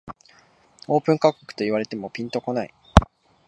オープン価格と言われてもピンとこない